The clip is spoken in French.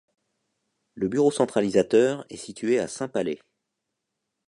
Le bureau centralisateur est situé à Saint-Palais.